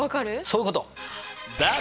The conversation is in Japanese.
そういうこと！